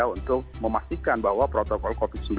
untuk memastikan bahwa protokol protokol